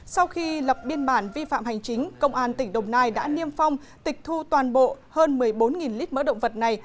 sau khi lập biên bản vi phạm hành chính công an tỉnh đồng nai đã niêm phong tịch thu toàn bộ hơn một mươi bốn lít mỡ động vật này